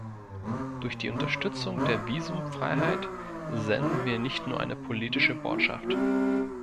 Durch die Unterstützung der Visumfreiheit senden wir nicht nur eine politische Botschaft.